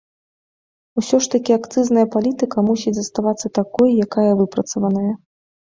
Усё ж такі акцызная палітыка мусіць заставацца такой, якая выпрацаваная.